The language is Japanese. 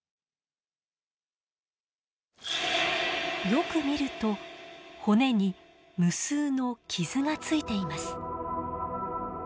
よく見ると骨に無数の傷がついています。